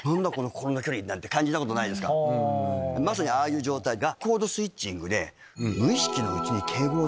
まさにああいう状態が。